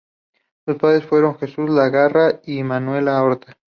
Sus padres fueron Jesús Larraga y Manuela Orta.